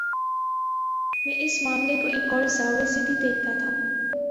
میں اس معاملے کوایک اور زاویے سے بھی دیکھتا تھا۔